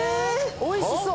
おいしそう。